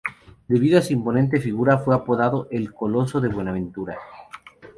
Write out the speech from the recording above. Debido a su imponente figura fue apodado el "Coloso de Buenaventura".